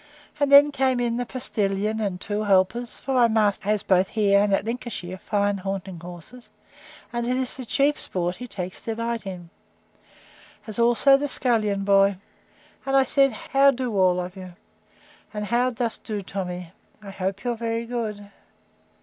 And then came in the postilion, and two helpers, (for my master has both here, and at Lincolnshire, fine hunting horses; and it is the chief sport he takes delight in,) as also the scullion boy: And I said, How do all of you? And how dost do, Tommy? I hope you're very good.